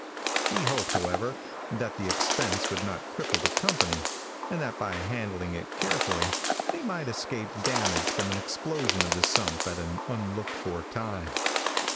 He hoped, however, that the expense would not cripple the company, and that by handling it carefully, they might escape damage from an explosion of the sump at an unlooked for time.